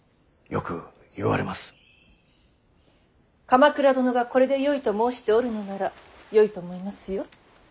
鎌倉殿がこれでよいと申しておるのならよいと思いますよ。